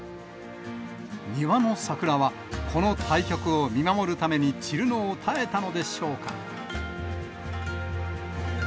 庭の桜は、この対局を見守るために、散るのを耐えたのでしょうか。